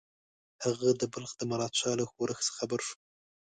هغه د بلخ د مراد شاه له ښورښ څخه خبر شو.